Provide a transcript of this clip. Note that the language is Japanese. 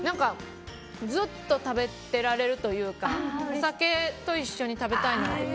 ずっと食べてられるというかお酒と一緒に食べたい。